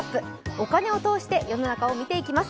お金を通して世の中を見ていきます。